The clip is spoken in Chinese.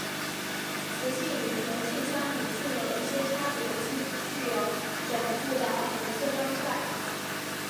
雌性与雄性相比近有一点差别即不具有枕部的红色斑块。